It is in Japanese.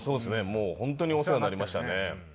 もうホントにお世話になりましたね。